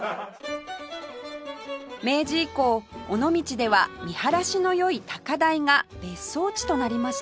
明治以降尾道では見晴らしの良い高台が別荘地となりました